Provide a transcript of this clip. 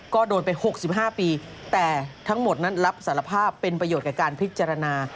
ก็โดนไป๖๕ปีแต่ทั้งหมดนั้นรับสารภาพเป็นประโยชน์กับการพิจารณา